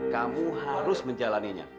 kamu harus menjalannya